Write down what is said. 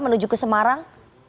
menuju ke semarang